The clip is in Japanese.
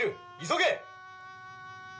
急げ！」